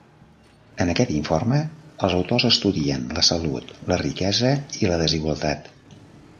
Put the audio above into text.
En aquest informe, els autors estudien la salut, la riquesa i la desigualtat.